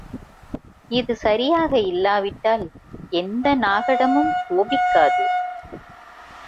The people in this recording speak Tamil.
இது சரியாக இல்லாவிட்டால் எந்த நாகடமும் சோபிக்காது.